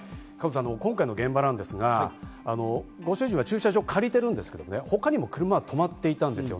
今回の現場ですが、ご主人は駐車場を借りてるんですけれども、他にも車は止まっていました。